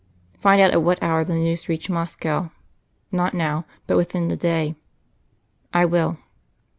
'" "Find out at what hour the news reached Moscow not now, but within the day." "'I will.